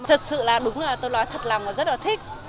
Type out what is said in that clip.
thật sự là đúng là tôi nói thật lòng và rất là thích